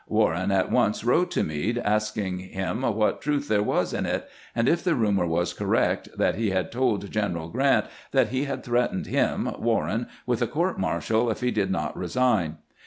Warren at once wrote to Meade, asking him what truth there was in it, and if the rumor was correct that he had told Q eneral G rant that he had threatened him (Warren) with a court mar tial if he did not resign.